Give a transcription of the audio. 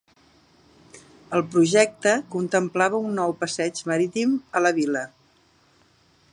El projecte contemplava un nou passeig marítim a la vila.